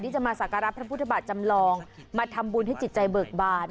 จะมาสักการะพระพุทธบาทจำลองมาทำบุญให้จิตใจเบิกบาน